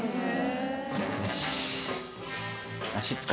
よし。